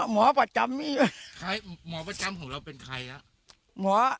หมอปัจจ่ำของเราเป็นใครแล้ว